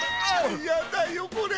やだよこれ。